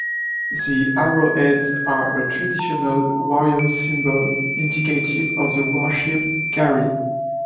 The arrowheads are a traditional warrior symbol indicative of the warship "Gary".